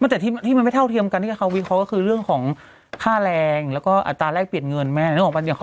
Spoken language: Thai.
แต่ที่มันไม่เท่าเทียมกันที่เขาวิเคราะห์ก็คือเรื่องของค่าแรงแล้วก็อัตราแรกเปลี่ยนเงินแม่นึกออกปะ